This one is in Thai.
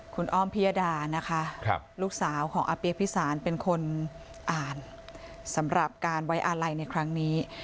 คุณอ้อมพิยดานะคะลูกสาวของอาเปียพิสารเป็นคนอ่านสำหรับการไว้อาลัยในครั้งนี้